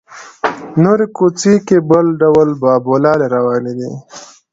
نورې کوڅې کې بل ډول بابولالې روانې دي.